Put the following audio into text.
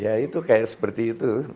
ya itu kayak seperti itu